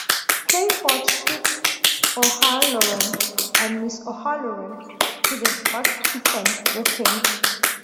Playford took O'Halloran and Mrs O'Halloran to the Vatican with him.